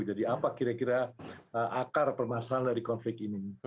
jadi apa kira kira akar permasalahan dari konflik ini